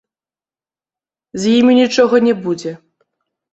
З імі нічога не будзе.